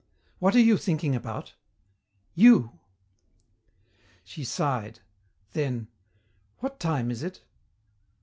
"What are you thinking about?" "You!" She sighed. Then, "What time is it?"